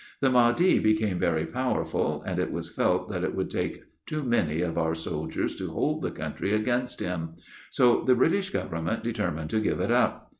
The Mahdi became very powerful, and it was felt that it would take too many of our soldiers to hold the country against him, so the British Government determined to give it up.